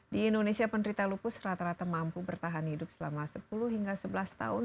di indonesia penderita lupus rata rata mampu bertahan hidup selama sepuluh hingga sebelas tahun